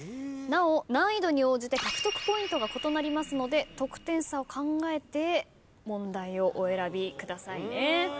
なお難易度に応じて獲得ポイントが異なりますので得点差を考えて問題をお選びくださいね。